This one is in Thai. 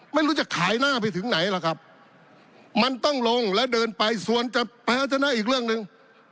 ไม่รู้จะขายหน้าไปถึงไหนล่ะครับมันต้องลงแล้วเดินไปส่วนจะแพ้ชนะอีกเรื่องหนึ่ง